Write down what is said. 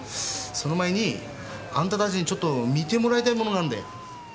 その前にあんた達にちょっと見てもらいたいものがあるんだよ。